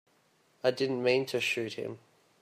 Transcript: I didn't mean to shoot him.